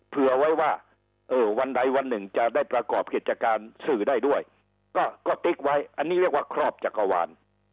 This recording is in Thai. เผื่อไว้ว่าเออวันใดวันหนึ่งจะได้ประกอบกิจการสื่อได้ด้วยก็ติ๊กไว้อันนี้เรียกว่าครอบจักรวาล